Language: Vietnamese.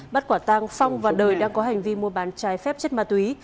bắt quả tăng phong và đời đang có hành vi mua bán trái phép chất ma túy